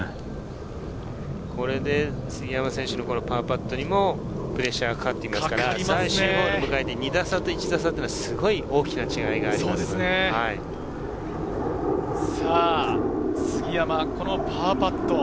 これで杉山選手のパーパットにもプレッシャーがかかってきますから、最終ホール迎えて、２打差と１打差はすごく大きな違いがありますので。